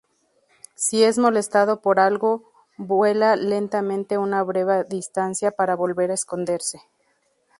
Si es molestado por algo, vuela lentamente una breve distancia para volver a esconderse.